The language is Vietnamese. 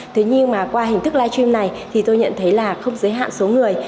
thế nhưng mà qua hình thức livestream này thì tôi nhận thấy là không giới hạn số người